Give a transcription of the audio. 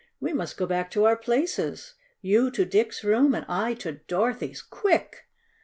We must go back to our places you to Dick's room and I to Dorothy's. Quick!"